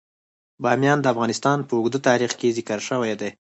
بامیان د افغانستان په اوږده تاریخ کې ذکر شوی دی.